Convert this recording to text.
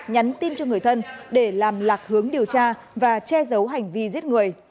nhắn tin cho người thân để làm lạc hướng điều tra và che giấu hành vi giết người